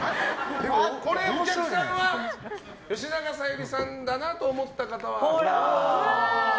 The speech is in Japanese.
これ、お客さんは吉永小百合さんだなとほらー！